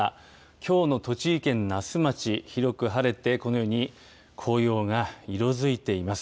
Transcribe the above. きょうの栃木県那須町、広く晴れて、このように紅葉が色づいています。